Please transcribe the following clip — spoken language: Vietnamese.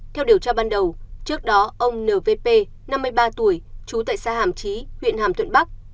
theo điều tra ban đầu trước đó ông n v p năm mươi ba tuổi chú tại xa hàm trí huyện hàm thuận bắc